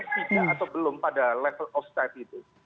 tidak atau belum pada level off site itu